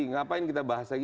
mengapain kita bahas lagi